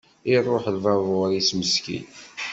Iruḥ lbabur-is meskin.